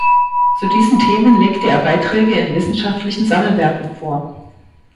Zu diesen Themen legte er Beiträge in wissenschaftlichen Sammelwerken vor.